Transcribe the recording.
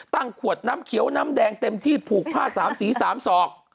ขวดน้ำเขียวน้ำแดงเต็มที่ผูกผ้า๓สี๓ศอก